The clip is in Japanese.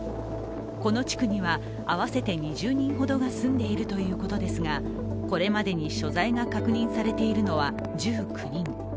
この地区には合わせて２０人ほどが住んでいるということですがこれまでに所在が確認されているのは１９人。